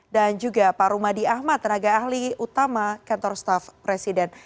dan juga pak rumadi ahmad tenaga ahli utama kantor staff presiden